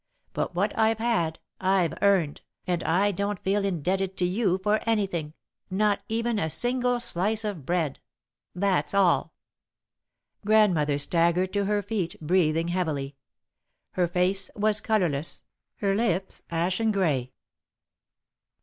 But what I've had, I've earned, and I don't feel indebted to you for anything, not even a single slice of bread. That's all." Grandmother staggered to her feet, breathing heavily. Her face was colourless, her lips ashen grey.